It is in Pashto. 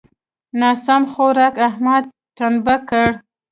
ناسم خوارک؛ احمد ټمبه کړ.